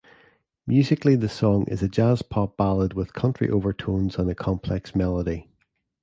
Musically the song is a jazz-pop ballad with country overtones and a complex melody.